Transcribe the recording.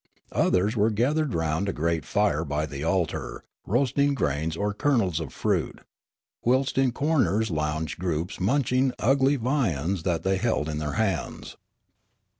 Others were gathered round a great fire b)^ the altar roasting grains or kernels of fruit, whilst in corners lounged groups munching ugly viands that they held in their hands.